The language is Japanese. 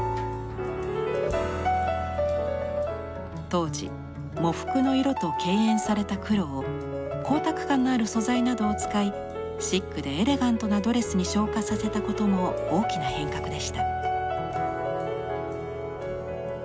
当時喪服の色と敬遠された黒を光沢感のある素材などを使いシックでエレガントなドレスに昇華させたことも大きな変革でした。